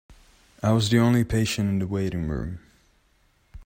I was the only patient in the waiting room.